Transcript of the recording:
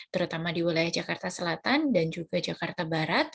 terutama di wilayah jakarta selatan dan juga jakarta barat